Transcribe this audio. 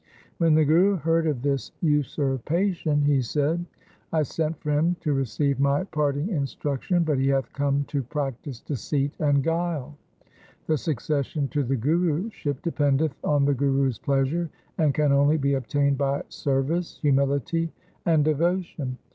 When the Guru heard of this usurpation, he said, ' I sent for him to receive my parting instruction, but he hath come to practise deceit and guile. The succession to the Guruship dependeth on the Guru's pleasure, and can only be obtained by service, humility, and devotion.